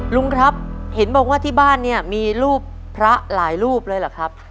ลุงครับเห็นบอกว่าที่บ้านเนี่ยมีรูปพระหลายรูปเลยเหรอครับ